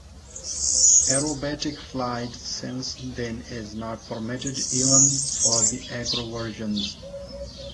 Aerobatic flight since then is not permitted, even for the Acro versions.